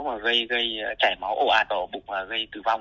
và gây chảy máu ổ ạt vào bụng và gây tử vong